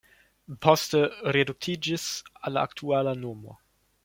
Poste reduktiĝis al la aktuala nomo.